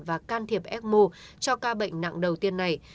và can thiệp ecmo cho ca bệnh nặng đầu tiên này